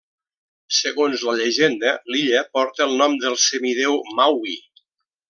Segons la llegenda l'illa porta el nom del semidéu Maui.